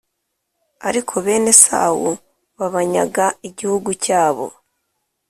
ariko bene esawu+ babanyaga igihugu cyabo,